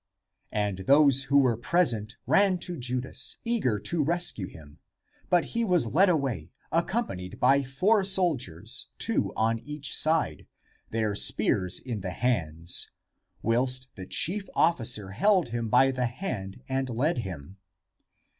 And those who were present ran to Judas, eager to rescue him; but he was led away, accom ACTS OF THOMAS 359 panied by four soldiers, two on each side, their spears in the hands, whilst the chief officer held him by the hand and led him.